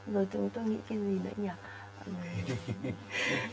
rồi chúng tôi nghĩ cái gì nữa nhỉ